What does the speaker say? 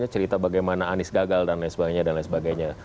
cerita bagaimana anies gagal dan lain sebagainya